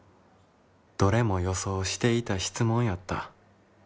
「どれも予想していた質問やった」。